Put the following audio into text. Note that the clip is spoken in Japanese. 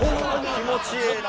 気持ちええな。